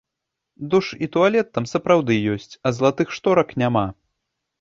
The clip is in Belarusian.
Душ і туалет там сапраўды ёсць, а залатых шторак няма.